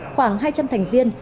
khoảng hai trăm linh thành viên